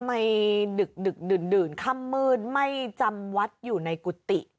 ในดึกดื่นค่ำมืดไม่จำวัดอยู่ในกุฏิ